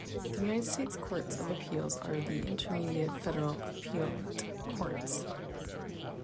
The United States courts of appeals are the intermediate federal appellate courts.